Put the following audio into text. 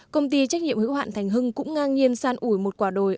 công ty trách nhiệm hữu hạn thành hưng cũng ngang nhiên san ủi một quả đồi